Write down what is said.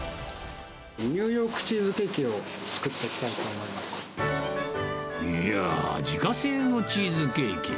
ニューヨークチーズケーキをいやー、自家製のチーズケーキ。